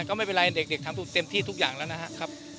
ก็ไม่เป็นไรเด็กทำเต็มที่ทุกอย่างแล้วนะครับ